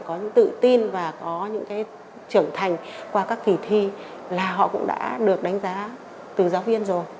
họ có những tự tin và có những cái trưởng thành qua các kỳ thi là họ cũng đã được đánh giá từ giáo viên rồi